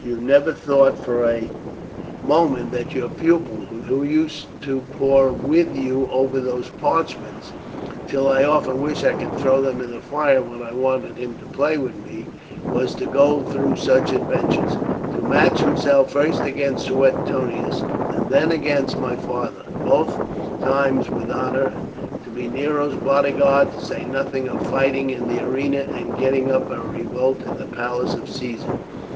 "You never thought for a moment that your pupil, who used to pore with you over those parchments, till I often wished I could throw them in the fire when I wanted him to play with me, was to go through such adventures to match himself first against Suetonius, and then against my father, both times with honour; to be Nero's bodyguard; to say nothing of fighting in the arena, and getting up a revolt in the palace of Caesar."